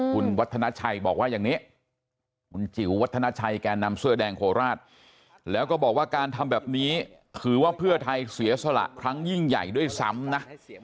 คุณวัฒนาชัยบอกว่าอย่างนี้คุณจิ๋ววัฒนาชัยแก่นำเสื้อแดงโคราชแล้วก็บอกว่าการทำแบบนี้ถือว่าเพื่อไทยเสียสละครั้งยิ่งใหญ่ด้วยซ้ำนะ